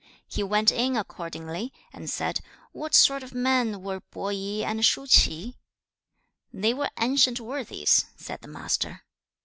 2. He went in accordingly, and said, 'What sort of men were Po i and Shu ch'i?' 'They were ancient worthies,' said the Master.